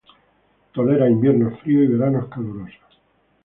Tolera inviernos fríos y veranos calurosos.